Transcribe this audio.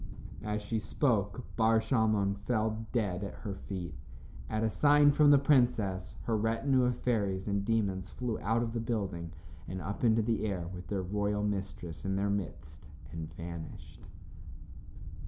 As she spoke Bar Shalmon fell dead at her feet. At a sign from the princess, her retinue of fairies and demons flew out of the building and up into the air with their royal mistress in their midst and vanished.